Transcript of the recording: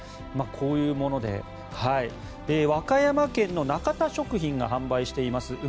こういうもので和歌山県の中田食品が販売しています